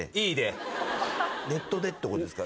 ネットでってことですか？